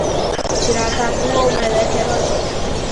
Tirar tatu ou meleca é nojento